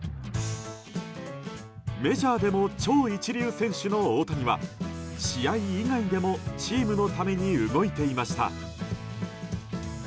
メジャーでも超一流選手の大谷は試合以外でもチームのために動いていました。